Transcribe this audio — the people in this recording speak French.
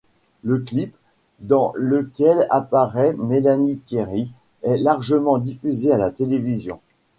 Le clip, dans lequel apparait Mélanie Thierry, est largement diffusé à la télévision.